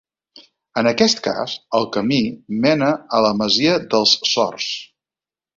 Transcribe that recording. En aquest cas, el camí mena a la masia dels Sors.